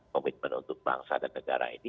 komitmen untuk bangsa dan negara ini